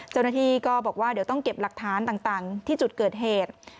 เจ้าหน้าที่ก็บอกว่าเดี๋ยวต้องเก็บหลักฐานต่างที่จุดเกิดเหตุ